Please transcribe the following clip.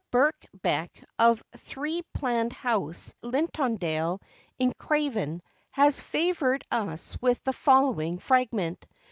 BIRKBECK, of Threapland House, Lintondale, in Craven, has favoured us with the following fragment.